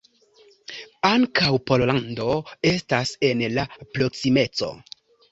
Ankaŭ Pollando estas en la proksimeco.